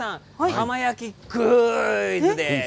浜焼きクイズです！